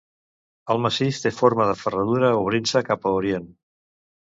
El massís té forma de ferradura obrint-se cap a orient.